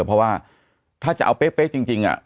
เพราะว่าถ้าจะเอาเป๊ะจริง